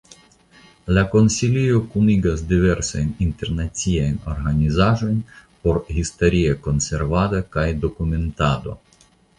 La konsilio kunigas diversajn internaciajn organizaĵojn por historia konservado kaj dokumentado.